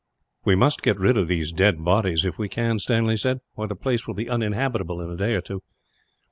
"We must get rid of these dead bodies, if we can," Stanley said, "or the place will be uninhabitable, in a day or two.